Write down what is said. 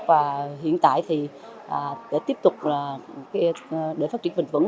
và hiện tại thì để tiếp tục phát triển bền vững